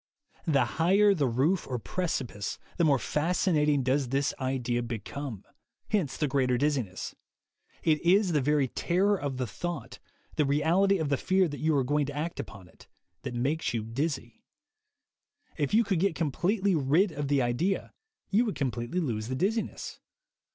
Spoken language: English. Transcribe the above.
The higher the roof or precipice the more fascinat ing does this idea become; hence the greater the dizziness. It is the very terror of the thought, the reality of the fear that you are going to act upon it, that makes you dizzy. If you could get com pletely rid of the idea, you would completely lose the dizziness.